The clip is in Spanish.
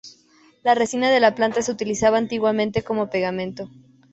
La resina de la planta se utilizaba antiguamente como pegamento.